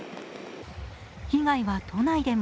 被害は都内でも。